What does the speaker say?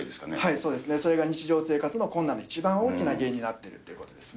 そうですね、それが日常生活の困難の一番大きな原因になっているということですね。